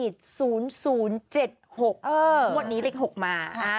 ทุกวันนี้เลข๖มา